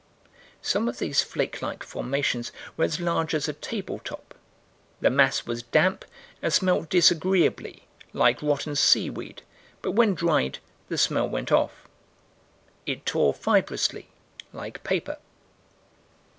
Some of these flake like formations were as large as a table top. "The mass was damp and smelt disagreeably, like rotten seaweed, but, when dried, the smell went off." "It tore fibrously, like paper."